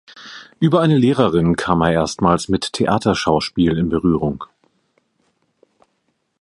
Über eine Lehrerin kam er erstmals mit Theaterschauspiel in Berührung.